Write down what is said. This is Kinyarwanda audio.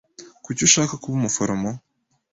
Kuki ushaka kuba umuforomo?